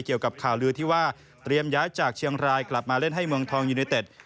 เกี่ยวกับข่าวลือที่ว่าเตรียมย้ายจากเชียงรายกลับมาเล่นให้เมืองทองยูเนเต็ด